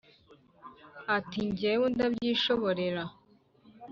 ati: jyewe ndabyishoborera.